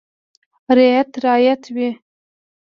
• رعیت رعیت وي.